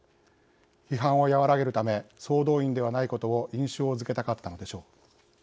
批判を和らげるため総動員ではないことを印象づけたかったのでしょう。